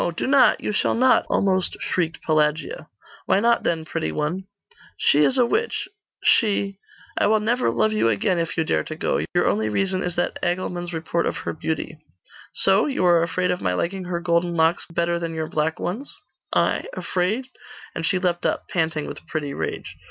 do not! you shall not!' almost shrieked Pelagia. 'Why not, then, pretty one?' 'She is a witch she I will never love you again if you dare to go. Your only reason is that Agilmund's report of her beauty.' 'So? You are afraid of my liking her golden locks better than your black ones?' 'I? Afraid?' And she leapt up, panting with pretty rage.